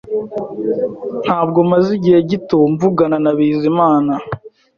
Ntabwo maze igihe gito mvugana na Bizimana